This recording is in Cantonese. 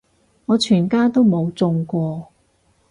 我全家都冇中過